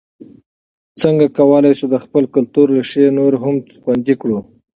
څنګه کولای سو د خپل کلتور ریښې نورې هم خوندي کړو؟